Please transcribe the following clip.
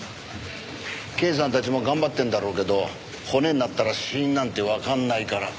刑事さんたちも頑張ってるんだろうけど骨になったら死因なんてわかんないから。